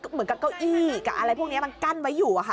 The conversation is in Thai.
เหมือนกับเก้าอี้กับอะไรพวกเนี้ยมันกั้นไว้อยู่อ่ะค่ะ